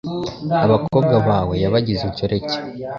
Abakobwa bawe yabagize inshoreke